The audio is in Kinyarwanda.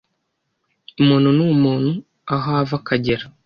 umuntu n’umuntu aho ava akagera